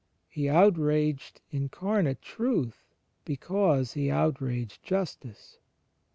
He outraged Incarnate Truth because he outraged Justice.